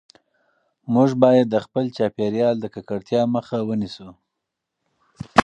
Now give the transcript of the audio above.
موږ باید د خپل چاپیریال د ککړتیا مخه ونیسو.